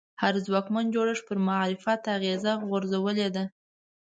هر ځواکمن جوړښت پر معرفت اغېزه غورځولې ده